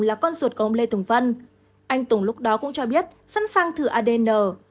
là con ruột của ông lê tùng vân anh tùng lúc đó cũng cho biết sẵn sàng thử adn